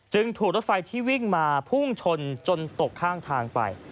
ถูกรถไฟที่วิ่งมาพุ่งชนจนตกข้างทางไป